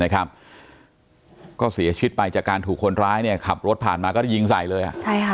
ก็เสียชีวิตไปจากการถูกคนร้ายขับรถผ่านมาก็ได้ยิงใส่เลย